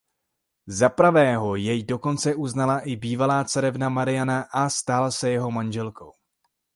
Za pravého jej dokonce uznala i bývalá carevna Marina a stala se jeho manželkou.